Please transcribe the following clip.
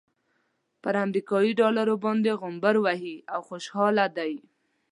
پر امريکايي ډالرو باندې غومبر وهي او خوشحاله دی.